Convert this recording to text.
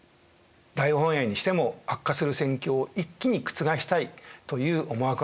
大本営にしても悪化する戦況を一気に覆したいという思惑があったんでしょうね。